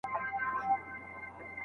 د امکاناتو کمه کارونه بايد ونسي.